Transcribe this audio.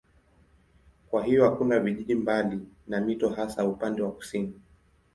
Kwa hiyo hakuna vijiji mbali na mito hasa upande wa kusini.